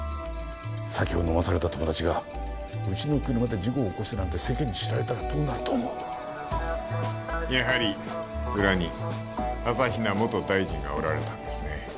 酒を飲まされた友達がうちの車で事故を起こしたなんて世間に知られたらどうなると思うやはり裏に朝比奈元大臣がおられたんですね